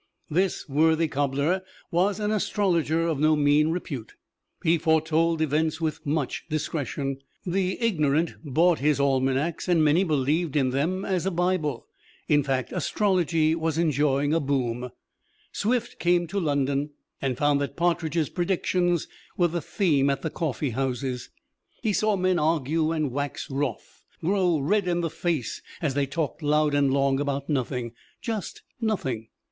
This worthy cobbler was an astrologer of no mean repute. He foretold events with much discretion. The ignorant bought his almanacs, and many believed in them as a Bible in fact, astrology was enjoying a "boom." Swift came to London and found that Partridge's predictions were the theme at the coffeehouses. He saw men argue and wax wroth, grow red in the face as they talked loud and long about nothing just nothing.